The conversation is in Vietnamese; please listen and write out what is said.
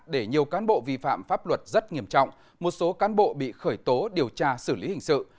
để nhiều cán bộ vi phạm pháp luật rất nghiêm trọng một số cán bộ bị khởi tố điều tra xử lý hình sự